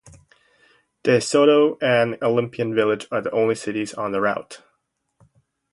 De Soto and Olympian Village are the only cities on the route.